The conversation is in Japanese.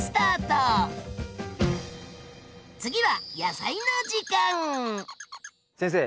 次は先生。